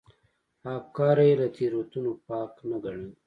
افکار یې له تېروتنو پاک نه ګڼل.